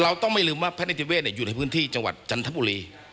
เราต้องไม่ลืมว่าพระนิติเวศอยู่ในพื้นที่จังหวัดจันทบุรี